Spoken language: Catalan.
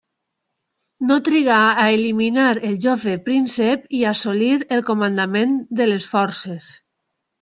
No trigà a eliminar al jove príncep i assolir el comandament de les forces.